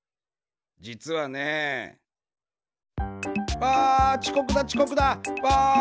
じつはね。わちこくだちこくだ！わ！